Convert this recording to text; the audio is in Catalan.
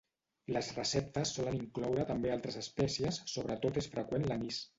Les receptes solen incloure també altres espècies; sobretot és freqüent l'anís.